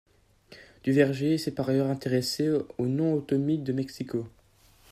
Duverger s'est par ailleurs intéressé au nom otomi de Mexico.